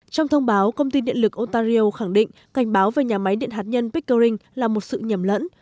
trong thông báo công ty điện lực ontario khẳng định cảnh báo về nhà máy điện hạt nhân pickering là một sự nhầm lẫn